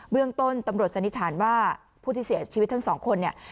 เรื่องต้นตำรวจสันนิษฐานว่าผู้ที่เสียชีวิตทั้งสองคนเนี่ย